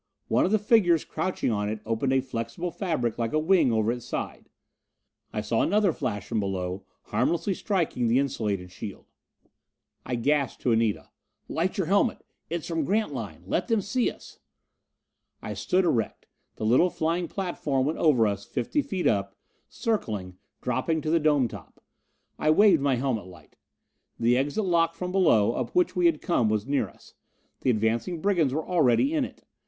One of the figures crouching on it opened a flexible fabric like a wing over its side. I saw another flash from below, harmlessly striking the insulated shield. I gasped to Anita, "Light your helmet! It's from Grantline! Let them see us!" I stood erect. The little flying platform went over us, fifty feet up, circling, dropping to the dome top. I waved my helmet light. The exit lock from below up which we had come was near us. The advancing brigands were already in it!